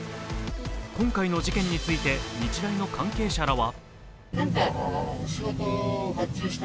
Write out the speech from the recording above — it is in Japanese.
今回の事件について、日大の関係者らは。